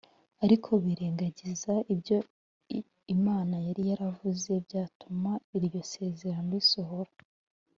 Ariko birengagiza ibyo Imana yari yaravuze byatuma iryo sezerano risohora